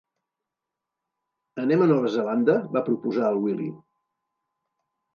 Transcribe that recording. Anem a Nova Zelanda? —va proposar el Willy.